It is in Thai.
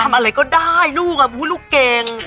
ทำอะไรก็ได้ลูกอะลูกเก่ง